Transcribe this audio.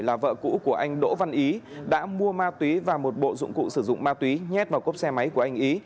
là vợ cũ của anh đỗ văn ý đã mua ma túy và một bộ dụng cụ sử dụng ma túy nhét vào cốp xe máy của anh ý